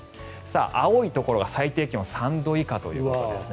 青いところが最低気温３度以下ということですね。